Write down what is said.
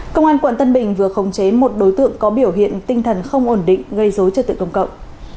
công an quận tân bình vừa khống chế một đối tượng có biểu hiện tinh thần không ổn định gây dối trật tự công cộng